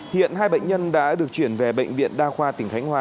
hiện hai bệnh nhân đã được chuyển về bệnh viện đa khoa tỉnh khánh hòa